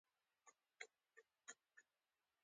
د یورین کلچر د مثانې عفونت ښيي.